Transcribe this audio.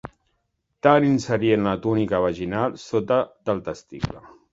Tant inserir en la túnica vaginal, sota del testicle.